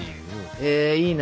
えいいな。